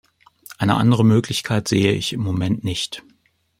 Eine andere Möglichkeit sehe ich im Moment nicht.